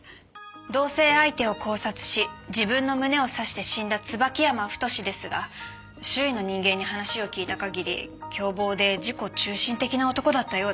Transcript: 同棲相手を絞殺し自分の胸を刺して死んだ椿山太ですが周囲の人間に話を聞いた限り凶暴で自己中心的な男だったようです。